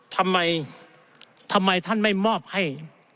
ทำไมท่านไม่มอบให้